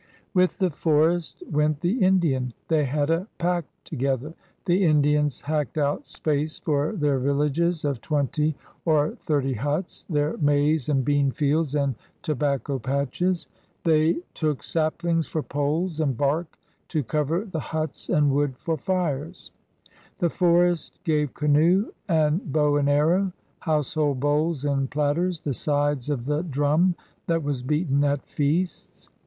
With the forest went the Indian. They had a pact together. The Indians hacked out space for their villages of twenty or thirty ^uts, their maize and bean fields and tobacco patches. They took 14 PIONEERS OP THE OLD SOUTH saplings for poles and bark to cover the huts and wood for fires. The forest gave canoe and bow and arrow, household bowls and platters, the sides of the drum that was beaten at feasts.